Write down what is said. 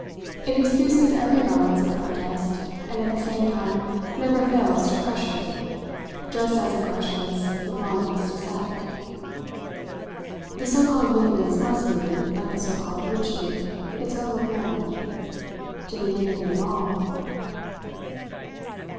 It excuses every violence of protest and at the same time never fails to crush it, just as it crushes the blindest assent. The so called wickedness must be, like the so called virtue, its own reward to be anything at all